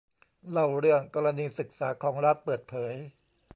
เล่าเรื่องกรณีศึกษาของรัฐเปิดเผย